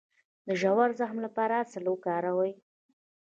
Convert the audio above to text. د ژور زخم لپاره عسل وکاروئ